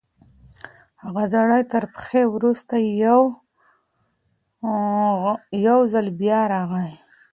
هغه سړی تر پېښي وروسته یو ځل بیا راغلی.